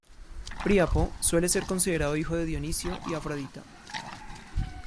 Príapo suele ser considerado hijo de Dioniso y Afrodita.